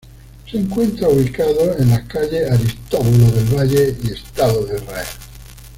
Se encuentra ubicado en las calles "Aristóbulo del Valle" y "Estado de Israel".